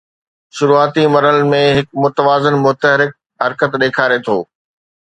شروعاتي مرحلن ۾ هڪ متوازن متحرڪ حرڪت ڏيکاري ٿو